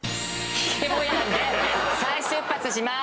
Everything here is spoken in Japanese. ひげもやんで再出発します！